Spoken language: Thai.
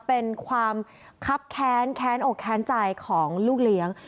เป็นความคับแค้นแค้นอกแค้นใจของลูกเลี้ยง